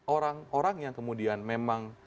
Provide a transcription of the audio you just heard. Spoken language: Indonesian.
orang orang yang kemudian memang